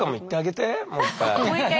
もう一回。